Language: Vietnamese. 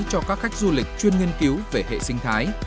cho các khách du lịch chuyên nghiên cứu về hệ sinh thái